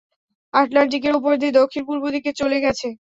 আটলান্টিকের উপর দিয়ে দক্ষিণ-পূর্ব দিকে চলে গেছে।